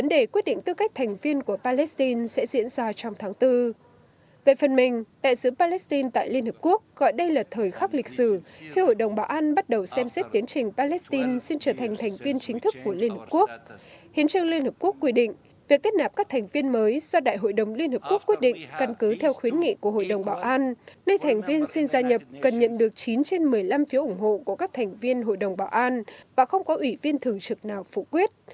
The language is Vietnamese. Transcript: nơi thành viên xin gia nhập cần nhận được chín trên một mươi năm phiếu ủng hộ của các thành viên hội đồng bảo an và không có ủy viên thường trực nào phủ quyết